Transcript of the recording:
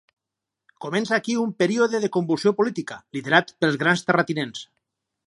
Comença aquí un període de convulsió política, liderat pels grans terratinents.